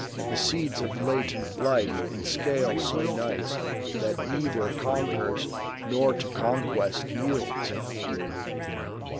The seeds of latent life in scale so nice That neither conquers, nor to conquest yields.